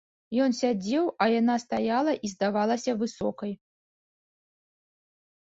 Ён сядзеў, а яна стаяла і здавалася высокай.